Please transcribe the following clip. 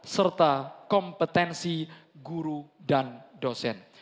serta kompetensi guru dan dosen